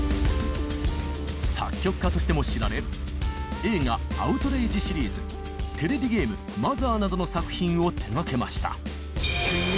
作曲家としても知られ映画「アウトレイジ」シリーズテレビゲーム「ＭＯＴＨＥＲ」などの作品を手がけました。